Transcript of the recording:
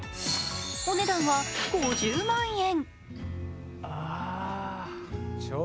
お値段は５０万円。